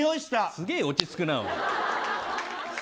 すげえ落ち着くな。